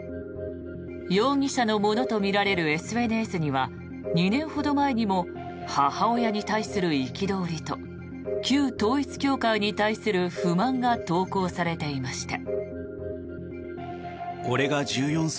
容疑者のものとみられるＳＮＳには２年ほど前にも母親に対する憤りと旧統一教会に対する不満が投稿されていました。